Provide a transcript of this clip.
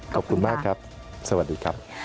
ขอบคุณมากครับสวัสดีครับ